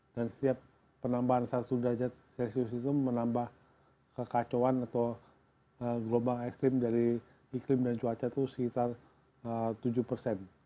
dan setiap penambahan satu derajat celcius itu menambah kekacauan atau gelombang ekstrim dari iklim dan cuaca itu sekitar tujuh